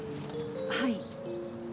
はい。